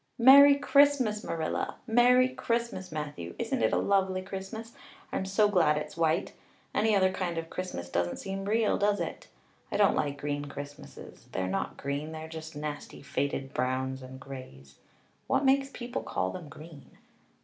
"Merry Christmas, Marilla! Merry Christmas, Matthew! Isn't it a lovely Christmas? I'm so glad it's white. Any other kind of Christmas doesn't seem real, does it? I don't like green Christmases. They're not green they're just nasty faded browns and grays. What makes people call them green?